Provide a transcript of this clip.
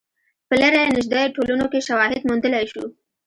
په لرې نژدې ټولنو کې شواهد موندلای شو.